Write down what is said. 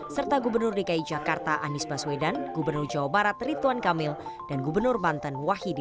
serta gubernur dki jakarta anies baswedan gubernur jawa barat rituan kamil dan gubernur banten wahidi